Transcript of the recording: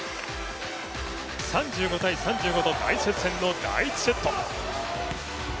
３５−３５の大接戦の第１セット。